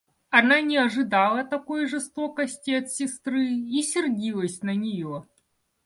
Она не ожидала такой жестокости от сестры и сердилась на нее.